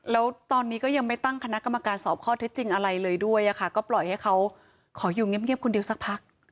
แล้วตอนนี้ก็ยังไม่ตั้งคณะกรรมการสอบข้อเท็จจริงอะไรเลยด้วยก็ปล่อยให้เขาขออยู่เงียบคนเดียวสักพัก